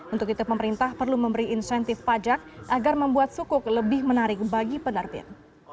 untuk itu pemerintah perlu memberi insentif pajak agar membuat sukuk lebih menarik bagi penerbit